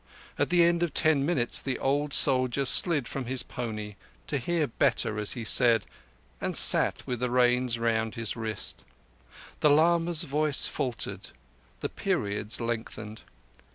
At the end of ten minutes the old soldier slid from his pony, to hear better as he said, and sat with the reins round his wrist. The lama's voice faltered, the periods lengthened.